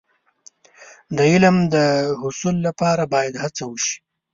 د علم د حصول لپاره باید هڅه وشي.